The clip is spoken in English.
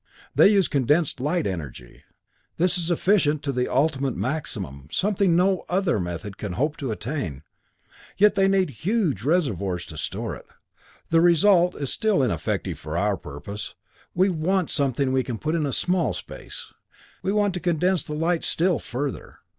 "They use condensed light energy. This is efficient to the ultimate maximum, something no other method can hope to attain. Yet they need huge reservoirs to store it. The result is still ineffective for our purpose; we want something we can put in a small space; we want to condense the light still further.